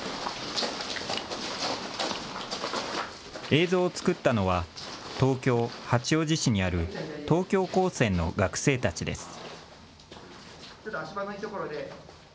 映像を作ったのは東京・八王子市にある東京高専の学生たちです。